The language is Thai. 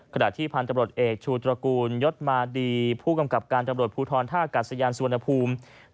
ขณะที่พันธุ์ตำรวจเอกชูตระกูลยศมาดีผู้กำกับการตำรวจภูทรท่ากัศยานสุวรรณภูมิ